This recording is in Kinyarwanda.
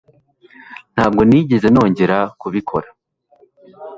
Ntabwo nigeze nongera kubikora